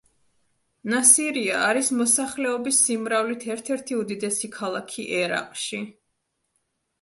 ნასირია არის მოსახლეობის სიმრავლით ერთ-ერთი უდიდესი ქალაქი ერაყში.